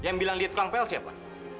yang bilang lihat tukang pel siapa